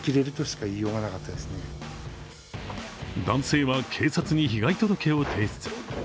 男性は警察に被害届を提出。